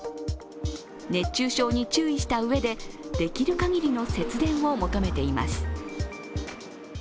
熱中症に注意したうえでできるかぎりの節電を求めています。